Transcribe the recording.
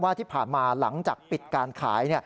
ที่ผ่านมาหลังจากปิดการขาย